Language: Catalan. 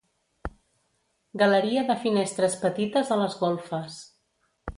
Galeria de finestres petites a les golfes.